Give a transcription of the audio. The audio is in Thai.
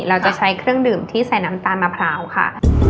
เราจะใช้เครื่องดื่มที่ใส่น้ำตาลมะพร้าวค่ะ